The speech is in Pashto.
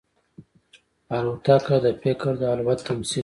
الوتکه د فکر د الوت تمثیل کوي.